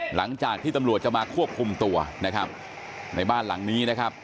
หลังจากที่ตำรวจจะมาควบคุมตัวนะครับในบ้านหลังนี้นะครับ